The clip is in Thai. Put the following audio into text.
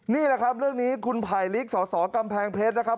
นี่นะครับคุณไผลกสอกำแพงเพชรนะครับ